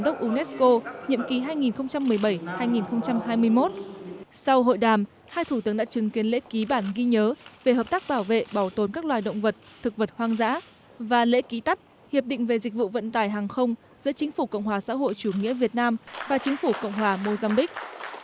trong lĩnh vực nông nghiệp chúng tôi đã trao đổi và nhấn mạnh hơn những vấn đề về dịch vụ vận tải hàng không giữa chính phủ cộng hòa xã hội chủ nghĩa việt nam và chính phủ cộng hòa mozambique